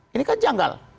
ini kan janggal